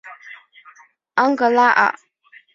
昂格拉尔。